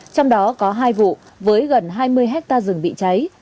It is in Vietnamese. trong đó có hai vụ với gần hai mươi hectare rừng bị cháy